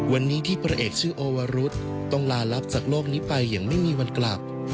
วันนี้ที่พระเอกชื่อโอวรุษต้องลาลับจากโลกนี้ไปอย่างไม่มีวันกลับ